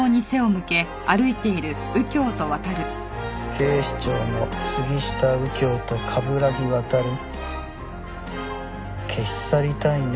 警視庁の杉下右京と冠城亘消し去りたいね